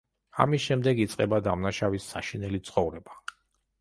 ამის შემდეგ იწყება დამნაშავის საშინელი ცხოვრება.